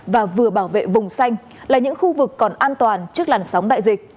và vừa bảo vệ vùng xanh là những khu vực còn an toàn trước làn sóng đại dịch